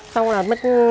xong rồi mới